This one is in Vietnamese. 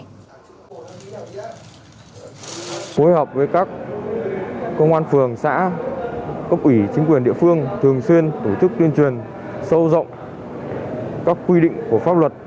phối hợp với các công an phường xã cấp ủy chính quyền địa phương thường xuyên tổ chức tuyên truyền sâu rộng các quy định của pháp luật